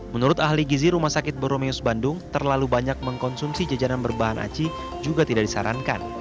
menurut ahli gizi rumah sakit boromeus bandung terlalu banyak mengkonsumsi jajanan berbahan aci juga tidak disarankan